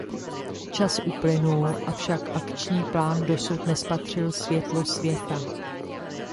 Čas uplynul, avšak akční plán dosud nespatřil světlo světa.